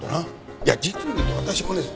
いや実を言うと私もね。